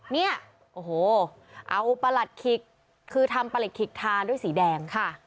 เอาปลัดคิกคือทำปลิกคิกทาด้วยสีแดง